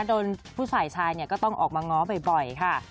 โดนผู้ฝ่ายชายก็ต้องออกมาง้อบ่อยค่ะ